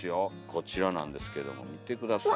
こちらなんですけども見て下さい。